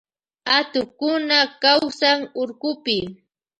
Atukkuna kawsan urkupi.